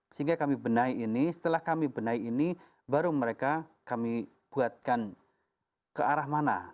sehingga kami benahi ini setelah kami benahi ini baru mereka kami buatkan ke arah mana